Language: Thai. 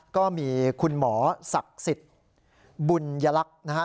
ก็มีคุณหมอศักดิ์สิทธิ์บุญยลักษณ์นะฮะ